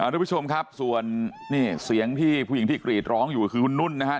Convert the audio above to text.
ทุกผู้ชมครับส่วนนี่เสียงที่ผู้หญิงที่กรีดร้องอยู่คือคุณนุ่นนะครับ